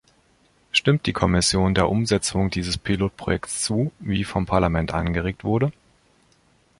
Stimmt die Kommission der Umsetzung dieses Pilotprojekts zu, wie vom Parlament angeregt wurde?